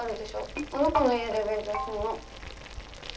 あの子の家で勉強すんの。